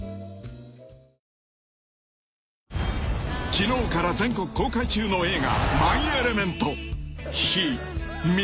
［昨日から全国公開中の映画『マイ・エレメント』］